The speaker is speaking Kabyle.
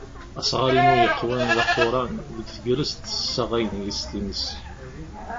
Asɣar-inu yeqwan d aquran, deg tegrest ssaɣayen yis-s timas.